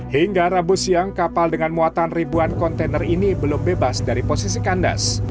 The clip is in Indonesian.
hingga rabu siang kapal dengan muatan ribuan kontainer ini belum bebas dari posisi kandas